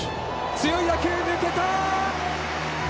強い打球抜けた。